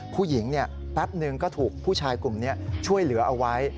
แป๊บนึงก็ถูกผู้ชายกลุ่มนี้ช่วยเหลือเอาไว้